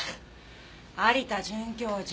有田准教授